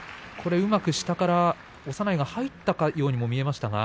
うまく下から長内が入ったかのように見えました。